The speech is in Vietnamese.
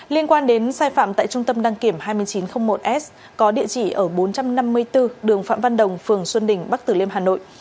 liên quan đến sai phạm tại trung tâm đăng kiểm hai nghìn chín trăm linh một s có địa chỉ ở bốn trăm năm mươi bốn đường phạm văn đồng phường xuân đình bắc tử liêm hà nội